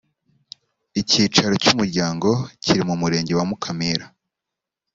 icyicaro cy umuryango kiri mu murenge wa mukamira